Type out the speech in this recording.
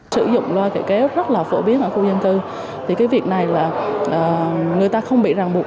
sử dụng loa thị kế rất là phổ biến ở khu dân cư thì cái việc này là người ta không bị ràng buộc